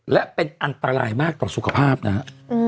และเป็นอันตรายมากต่อสุขภาพนะฮะ